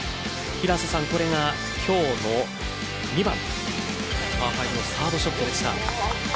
これが今日の２番パー５のサードショットでした。